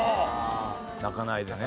『泣かないで』ね。